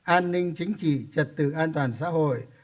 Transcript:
an ninh chính trị trật tự an toàn xã hội